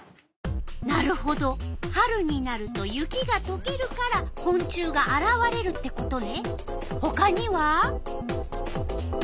なるほど春になると雪がとけるからこん虫があらわれるってことね。